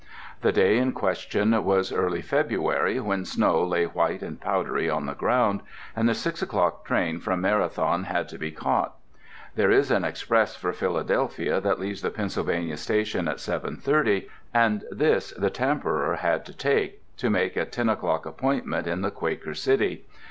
The day in question was early February when snow lay white and powdery on the ground, and the 6 o'clock train from Marathon had to be caught. There is an express for Philadelphia that leaves the Pennsylvania Station at 7:30 and this the Tamperer had to take, to make a 10 o'clock appointment in the Quaker City.